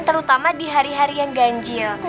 terutama di hari hari yang ganjil